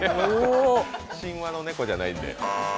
神話の猫じゃないんで。